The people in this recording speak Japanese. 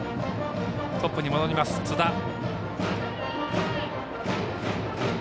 トップに戻ります、津田。